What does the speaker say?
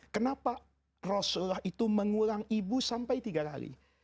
kenapa rasulullah itu mengulang ibu sampai tiga kali